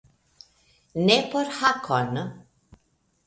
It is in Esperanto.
Ne por Hakon.